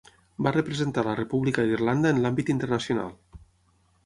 Va representar la República d'Irlanda en l'àmbit internacional.